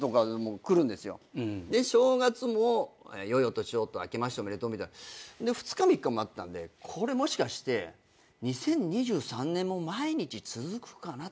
で正月も「良いお年を」と「あけましておめでとう」で２日３日もあったんでこれもしかして２０２３年も毎日続くかなってちょっと思い始めたんですね。